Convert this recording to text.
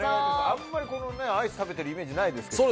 あんまりアイス食べてるイメージないですけど。